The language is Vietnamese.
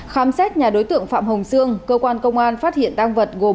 khám xét nhà đối tượng phạm hồng sương cơ quan công an phát hiện tăng vật gồm